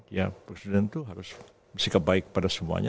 ya presiden itu harus bersikap baik pada semuanya